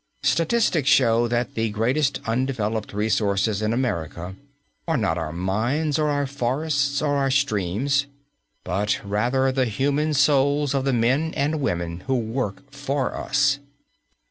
Statistics show that the greatest undeveloped resources in America are not our mines or our forests or our streams, but rather the human souls of the men and women who work for us.